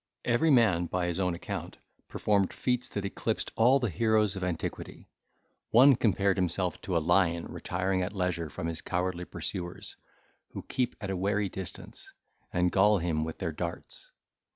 Every man (by his own account) performed feats that eclipsed all the heroes of antiquity. One compared himself to a lion retiring at leisure from his cowardly pursuers, who keep at a wary distance, and gall him with their darts.